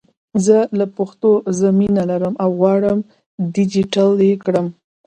زه له پښتو زه مینه لرم او غواړم ډېجیټل یې کړم!